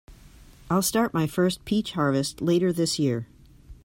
I'll start my first peach harvest later this year.